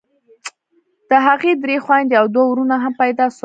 د هغه درې خويندې او دوه ورونه هم پيدا سول.